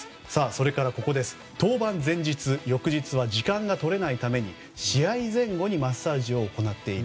そして登板前日、翌日は時間が取れないため試合前後にマッサージを行っている。